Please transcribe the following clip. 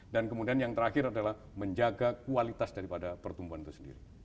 dan kemudian yang terakhir adalah menjaga kualitas dari pertumbuhan itu sendiri